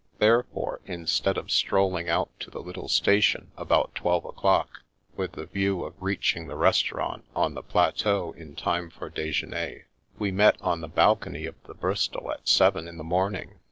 Therefore, instead of stroll ing out to the little station about twelve o'clock, with the view of reaching the restaurant on the plateau in time for dijeuner, we met on the balcony of the Bristol at seven in the morning.